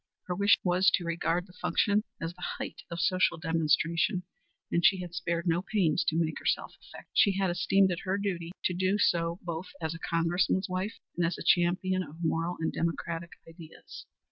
Her wish was to regard the function as the height of social demonstration, and she had spared no pains to make herself effective. She had esteemed it her duty to do so both as a Congressman's wife and as a champion of moral and democratic ideas.